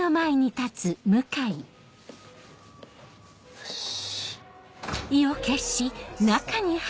よし。